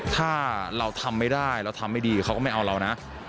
ถ้าเราทำไม่ได้เราทำไม่ดีเขาก็ไม่เอาเรานะ